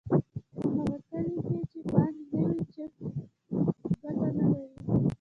په هغه کلي کې چې بانک نه وي چک ګټه نلري